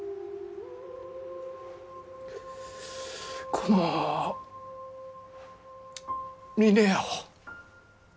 この峰屋を。